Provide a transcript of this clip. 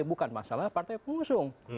bukan masalah partai pengusung